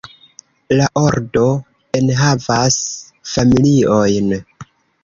La ordo enhavas familiojn.